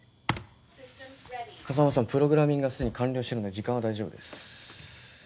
風真さんプログラミングは既に完了してるんで時間は大丈夫です。